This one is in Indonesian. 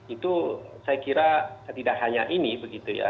itu saya kira tidak hanya ini begitu ya